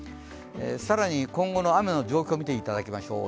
更に今後の雨の状況を見ていただきましょう。